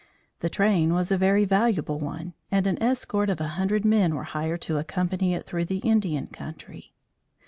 The train was a very valuable one and an escort of a hundred men were hired to accompany it through the Indian country.